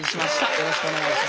よろしくお願いします。